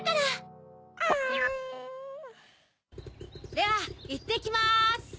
ではいってきます！